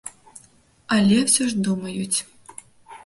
Але ўсё ж думаюць.